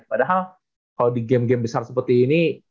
padahal kalau di game game besar seperti ini